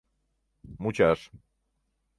Мучаш.